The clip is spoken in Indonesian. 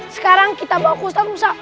sekarang kita bawa ustadz musa